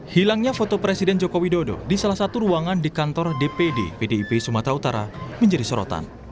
hilangnya foto presiden joko widodo di salah satu ruangan di kantor dpd pdip sumatera utara menjadi sorotan